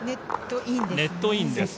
ネットインですね。